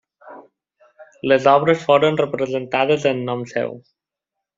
Les obres foren representades en nom seu.